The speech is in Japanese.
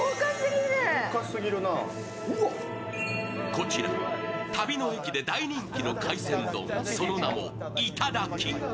こちら旅の駅で大人気の海鮮丼、その名も頂ｉｔａｄａｋｉ。